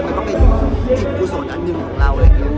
มันก็เป็นจิตกุศลอันหนึ่งของเราอะไรอย่างนี้